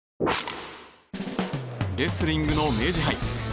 レスリングの明治杯。